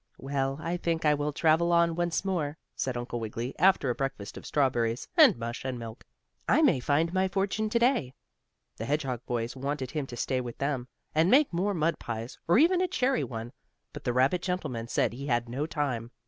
"Well, I think I will travel on once more," said Uncle Wiggily after a breakfast of strawberries, and mush and milk. "I may find my fortune to day." The hedgehog boys wanted him to stay with them, and make more mud pies, or even a cherry one, but the rabbit gentleman said he had no time.